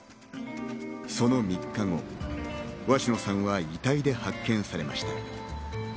その３日後、鷲野さんは遺体で発見されました。